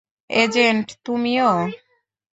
Agent, তুমিও।